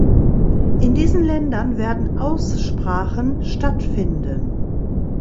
In diesen Ländern werden Aussprachen stattfinden.